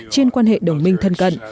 trên quan hệ đồng minh thân cận